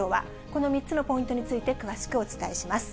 この３つのポイントについて詳しくお伝えします。